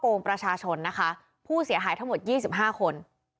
พ่อโกงประชาชนนะคะผู้เสียหายทั้งหมดยี่สิบห้าคน